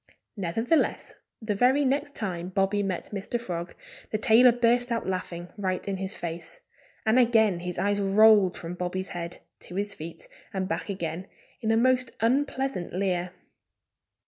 Nevertheless, the very next time Bobby met Mr. Frog the tailor burst out laughing, right in his face. And again his eyes rolled from Bobby's head to his feet, and back again, in a most unpleasant leer.